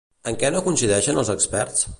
En què no coincideixen els experts?